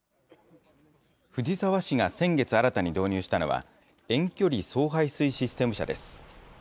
藤沢市が先月、新たに導入したのは、遠距離送・排水システム車です。